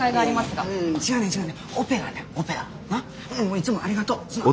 いつもありがとう。すまん！